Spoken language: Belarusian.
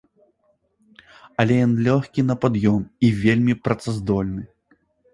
Але ён лёгкі на пад'ём і вельмі працаздольны.